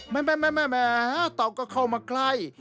แม่เต่าก็เข้ามาใกล้